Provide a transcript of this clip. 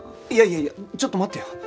いやいやいやちょっと待ってよ。